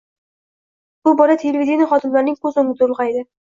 Bu bola televideniye xodimlarining ko‘z o‘ngida ulg‘aydi.